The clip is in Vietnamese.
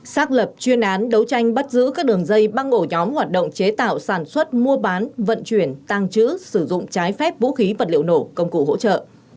xác lập chuyên án đấu tranh bắt giữ các đường dây băng ổ nhóm hoạt động chế tạo sản xuất mua bán vận chuyển tăng trữ sử dụng trái phép vũ khí vật liệu nổ công cụ hỗ trợ